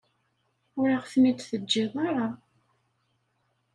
Ur aɣ-ten-id-teǧǧiḍ ara.